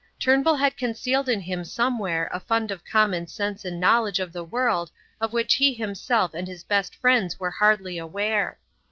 Turnbull had concealed in him somewhere a fund of common sense and knowledge of the world of which he himself and his best friends were hardly aware.